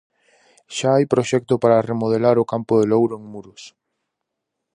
Xa hai proxecto para remodelar o campo de Louro, en Muros.